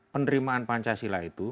penerimaan pancasila itu